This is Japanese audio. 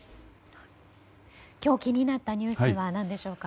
今日気になったニュースは何でしょうか。